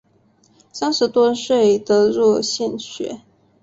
三十多岁得入县学。